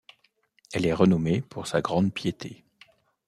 Elle est renommée pour sa grande piété.